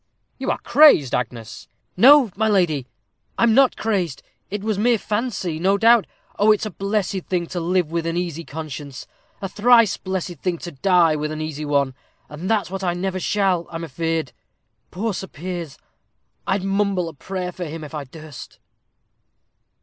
"You are crazed, Agnes." "No, my lady, I'm not crazed; it was mere fancy, no doubt. Oh, it's a blessed thing to live with an easy conscience a thrice blessed thing to die with an easy one, and that's what I never shall, I'm afeard. Poor Sir Piers! I'd mumble a prayer for him, if I durst."